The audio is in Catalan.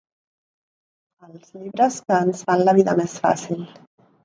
Els llibres que ens fan la vida més fàcil.